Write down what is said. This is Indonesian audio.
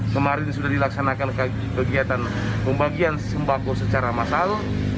kemarin sudah dilaksanakan kegiatan pembagian sembako secara massal